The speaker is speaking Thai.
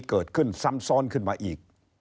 เกิดขึ้นซ้ำซ้อนขึ้นมาอีก